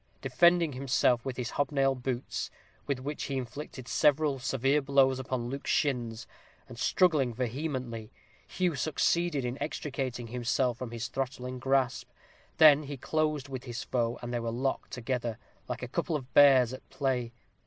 Defending himself with his hobnail boots, with which he inflicted several severe blows upon Luke's shins, and struggling vehemently, Hugh succeeded in extricating himself from his throttling grasp; he then closed with his foe, and they were locked together, like a couple of bears at play.